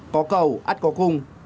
có cầu át có cung